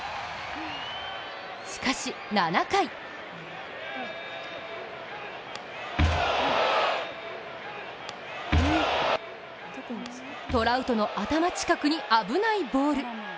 しかし７回トラウトの頭近くに危ないボール。